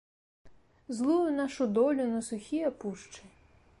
Злую нашу долю на сухія пушчы.